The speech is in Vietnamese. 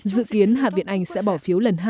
dự kiến hạ viện anh sẽ bỏ phiếu lần hai